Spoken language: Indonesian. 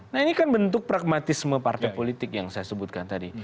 nah ini kan bentuk pragmatisme partai politik yang saya sebutkan tadi